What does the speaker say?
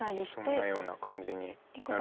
そんなような感じになるんですけど。